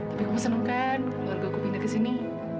tapi kamu seneng kan keluarga ku pindah kesini